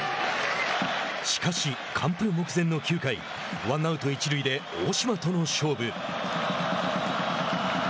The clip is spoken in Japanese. しかし、完封目前の９回ワンアウト、一塁で大島との勝負。